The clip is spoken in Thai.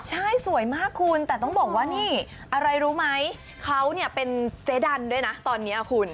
ใช่สวยมากคุณแต่ต้องบอกว่านี่อะไรรู้ไหมเขาเนี่ยเป็นเจ๊ดันด้วยนะตอนนี้คุณ